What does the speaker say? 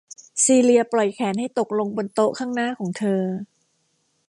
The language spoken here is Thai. ซีเลียปล่อยแขนให้ตกลงบนโต๊ะข้างหน้าของเธอ